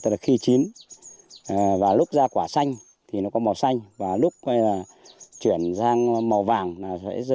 là khi chín và lúc ra quả xanh thì nó có màu xanh và lúc chuyển sang màu vàng